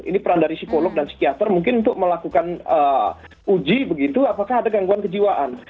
ini peran dari psikolog dan psikiater mungkin untuk melakukan uji begitu apakah ada gangguan kejiwaan